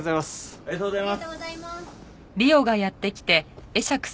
ありがとうございます。